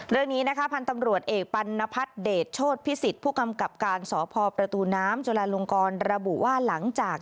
เรื่องนี้นะคะพันธุ์ตำรวจเอกปัณฑัฐเดชโชศพิสิตรผู้กำกับการสภประตูน้ำจุฬาลงกร